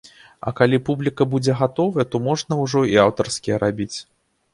А калі публіка будзе гатовая, то можна ўжо і аўтарскія рабіць.